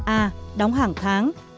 a đóng hàng tháng